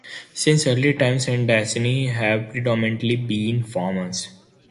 Since early times, Sundanese have predominantly been farmers.